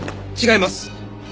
違います！